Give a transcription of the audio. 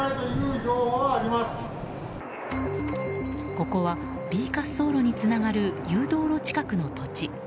ここはＢ滑走路につながる誘導路近くの土地。